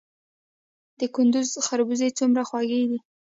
د کندز خربوزې څومره خوږې دي؟